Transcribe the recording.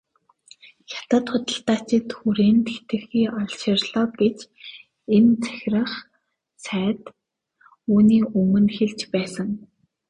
Хятад худалдаачин хүрээнд хэтэрхий олширлоо гэж энэ захирах сайд үүний өмнө хэлж байсан.